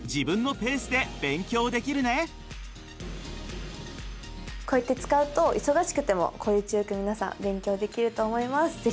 これならこうやって使うと忙しくても効率よく皆さん勉強できると思います。